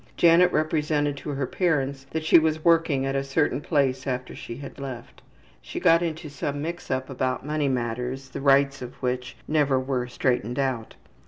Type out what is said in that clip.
Janet represented to her parents that she was working at a certain place after she had left. She got into some mix up about money matters, the rights of which never were straightened out.